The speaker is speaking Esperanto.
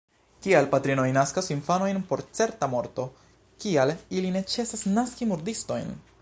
Kial patrinoj naskas infanojn por certa morto? Kial ili ne ĉesas naski murdistojn?